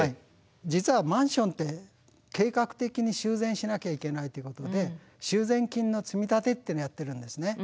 実はマンションって計画的に修繕しなきゃいけないってことで修繕金の積み立てっていうのをやってるんですね。